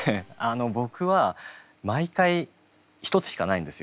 僕は毎回一つしかないんですよ。